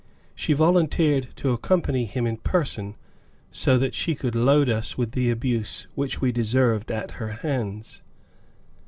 She volunteered to accompany him in person, so that she could load us with the abuse which we deserved at her hands.